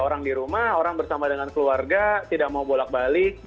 orang di rumah orang bersama dengan keluarga tidak mau bolak balik